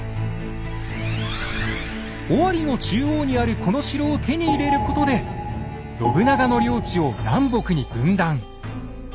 尾張の中央にあるこの城を手に入れることで信長の領地を南北に分断。